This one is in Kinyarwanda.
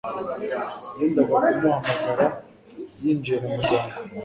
Yendaga kumuhamagara yinjiye mu muryango